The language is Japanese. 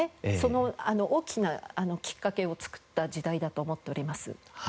その大きなきっかけを作った時代だと思っております。